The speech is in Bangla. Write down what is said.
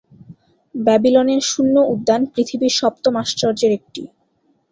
ব্যাবিলনের শূন্য উদ্যান পৃথিবীর সপ্তম আশ্চর্যের একটি।